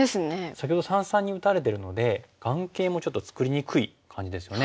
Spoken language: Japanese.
先ほど三々に打たれてるので眼形もちょっと作りにくい感じですよね。